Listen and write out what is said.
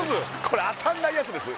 これ当たんないやつです